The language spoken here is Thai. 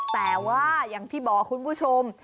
แต่ว่าอย่างที่บอกคุณผู้ชม